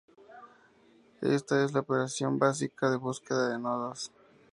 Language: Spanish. Esta es la operación básica de búsqueda de nodos.